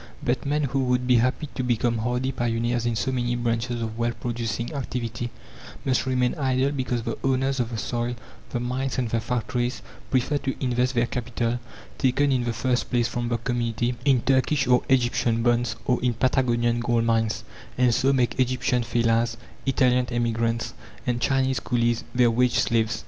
But men, who would be happy to become hardy pioneers in so many branches of wealth producing activity, must remain idle because the owners of the soil, the mines and the factories prefer to invest their capital taken in the first place from the community in Turkish or Egyptian bonds, or in Patagonian gold mines, and so make Egyptian fellahs, Italian emigrants, and Chinese coolies their wage slaves.